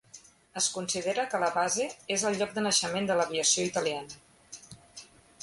Es considera que la base és el lloc de naixement de l'aviació italiana.